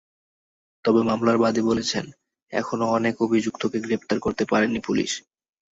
তবে মামলার বাদী বলেছেন, এখনো অনেক অভিযুক্তকে গ্রেপ্তার করতে পারেনি পুলিশ।